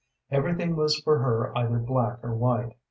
Everything was for her either black or white.